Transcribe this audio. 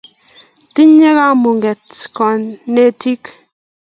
tinye kamuket konetik